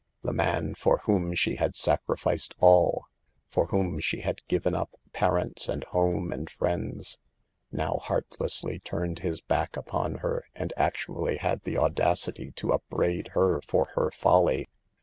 The man for whom she had sacrificed all, for whom she had given up parents and home and friends, now heartlessly turned his back upon her and actually had the audacity to upbraid her for her folly.